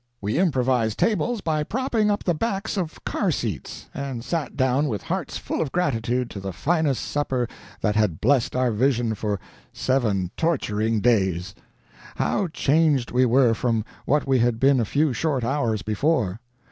"We improvised tables by propping up the backs of car seats, and sat down with hearts full of gratitude to the finest supper that had blessed our vision for seven torturing days. How changed we were from what we had been a few short hours before!